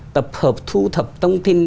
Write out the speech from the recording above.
tập hợp thu thập tông tin